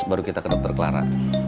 baru kita ke dokter clara